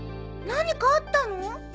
何かあったの？